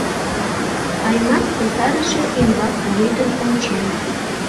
Аймат кусарыше ӱмбак лӱдын ончен.